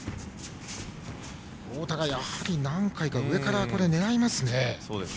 太田がやはり何回か上から狙いますね。